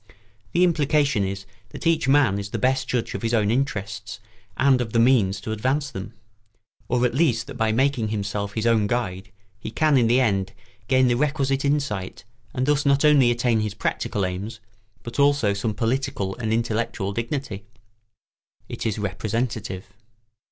The implication is that each man is the best judge of his own interests and of the means to advance them; or at least that by making himself his own guide he can in the end gain the requisite insight and thus not only attain his practical aims, but also some political and intellectual dignity. [Sidenote: It is representative.